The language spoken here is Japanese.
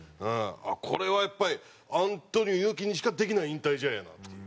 これはやっぱりアントニオ猪木にしかできない引退試合やなっていう。